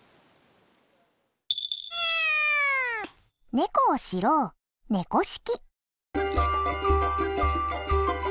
猫を知ろう「猫識」。